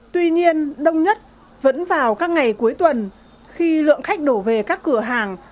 tuy nhiên đông nhất vẫn vào các ngày cuối tuần khi lượng khách đổ về các cửa hàng